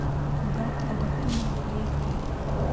بد عادتونه پریږدئ.